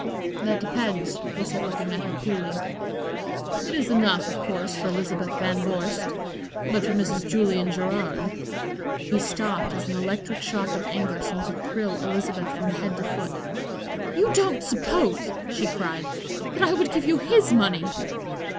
"That depends," he said, looking at her coolly. "It is enough, of course, for Elizabeth Van Vorst, but for Mrs. Julian Gerard" He stopped as an electric shock of anger seemed to thrill Elizabeth from head to foot. "You don't suppose," she cried, "that I would give you his money?"